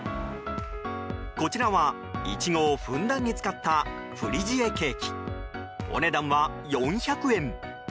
こちらはイチゴをふんだんに使ったフリジエケーキお値段は４００円。